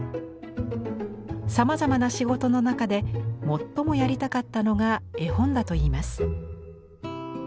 さまざまな仕事の中で最もやりたかったのが絵本だといいます。